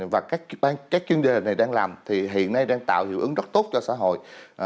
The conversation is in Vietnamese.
và các chương trình này đang làm thì hiện nay đang tạo hiệu ứng rất tốt cho xã hội